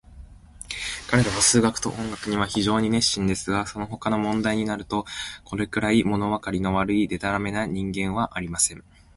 彼等は数学と音楽には非常に熱心ですが、そのほかの問題になると、これくらい、ものわかりの悪い、でたらめな人間はありません。